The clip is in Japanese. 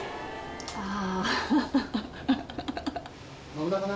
ああ！